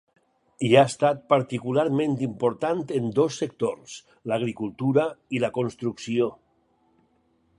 I ha estat particularment important en dos sectors: l’agricultura i la construcció.